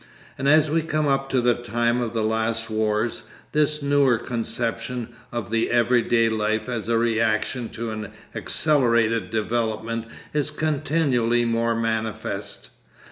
And as we come up to the time of the Last Wars, this newer conception of the everyday life as a reaction to an accelerated development is continually more manifest.